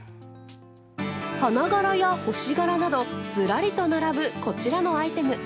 花柄や星柄などずらりと並ぶ、こちらのアイテム。